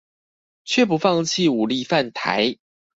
卻不放棄武力犯台